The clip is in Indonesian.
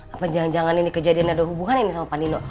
apa jangan jangan ini kejadian ada hubungan ini sama pak nino